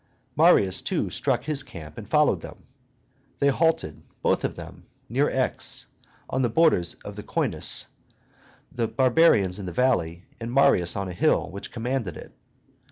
Marius, too, struck his camp, and followed them. They halted, both of them, near Aix, on the borders of the Coenus, the barbarians in the valley, Marius on a hill which commanded it.